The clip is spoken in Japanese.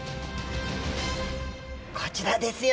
こちらですよ